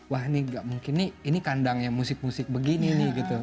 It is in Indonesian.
wah ini gak mungkin nih ini kandangnya musik musik begini nih gitu